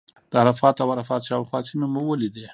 د عرفات او عرفات شاوخوا سیمې مو ولیدې.